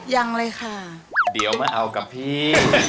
ยังเลยค่ะเดี๋ยวมาเอากับพี่